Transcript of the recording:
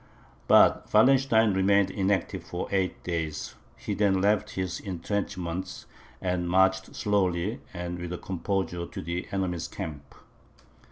But Wallenstein remained inactive for eight days; he then left his intrenchments, and marched slowly and with composure to the enemy's camp.